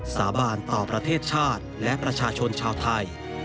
สาบานต่อประเทศชาติและประชาชนชาวไทย